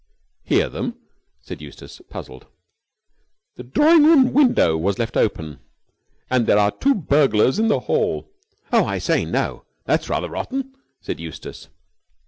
"Hear them?" said Eustace, puzzled. "The drawing room window was left open, and there are two burglars in the hall." "Oh, I say, no! That's rather rotten!" said Eustace.